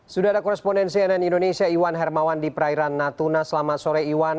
sudah ada korespondensi nn indonesia iwan hermawan di perairan natuna selamat sore iwan